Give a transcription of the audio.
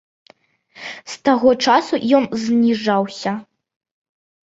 З таго часу ён зніжаўся.